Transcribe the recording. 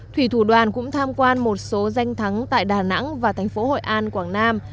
thủy thủ đoàn cũng tham quan một số danh thắng tại đà nẵng và thành phố hội an quảng nam